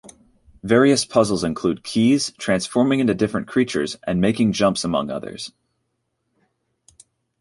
Various puzzles include keys, transforming into different creatures, and making jumps among others.